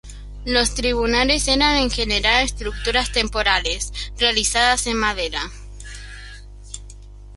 Los tribunales eran en general estructuras temporales, realizadas en madera.